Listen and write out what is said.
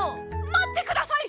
まってください！